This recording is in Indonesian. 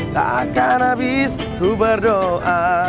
takkan habis ku berdoa